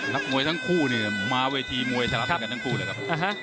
นักมวยทั้งคู่มาเวทีมวยทลักทั้งคู่เลยครับ